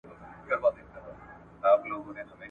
زه لار ورکی مسافر یمه روان یم ..